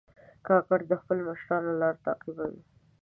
کاکړ د خپلو مشرانو لار تعقیبوي.